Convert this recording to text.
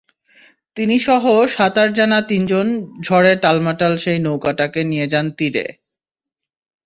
তিনিসহ সাঁতার জানা তিনজন ঝড়ে টালমাটাল সেই নৌকাটাকে নিয়ে যান তীরে।